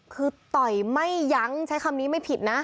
คือต่อยไม่ยั้งใช้คำนี้ไม่ผิดนะ